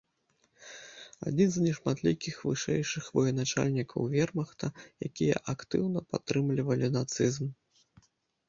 Адзін з нешматлікіх вышэйшых военачальнікаў вермахта, якія актыўна падтрымлівалі нацызм.